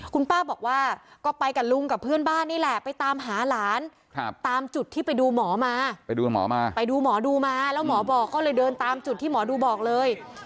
คุณป้าบอกว่าก็ไปกับลุงกับเพื่อนบ้านนี่แหละไปตามหาหลานตามจุดที่ไปดูหมอมาไปดูหมอมาไปดูหมอดูมาแล้วหมอบอกก็เลยเดินตามจุดที่หมอดูบอกเลย